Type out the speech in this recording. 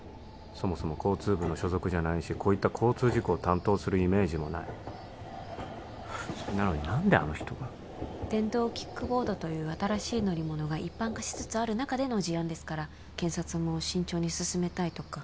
そもそも交通部の所属じゃないしこういった交通事故を担当するイメージもないなのに何であの人が電動キックボードという新しい乗り物が一般化しつつある中での事案ですから検察も慎重に進めたいとか？